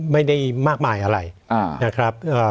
ไม่ได้มากมายอะไรนะครับ